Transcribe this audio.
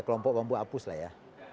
kelompok bambu apus lah ya